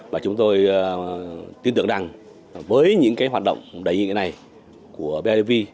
và chúng tôi tin tưởng rằng với những hoạt động đầy ý nghĩa này của bidv